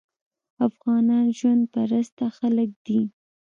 افغانان ژوند پرسته خلک دي.